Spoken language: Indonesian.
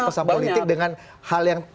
pesan politik dengan hal yang